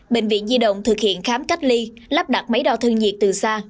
bệnh viện di động thực hiện khám cách ly lắp đặt máy đo thân nhiệt từ xa